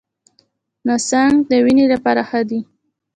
نسک د وینې لپاره ښه دي.